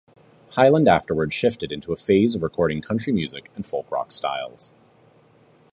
Hyland afterward shifted into a phase of recording country music and folk rock styles.